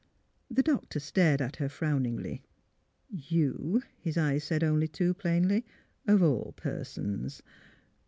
The doctor stared at her frowningly. '* You !'' his eyes said, only too plainly, '' of all persons!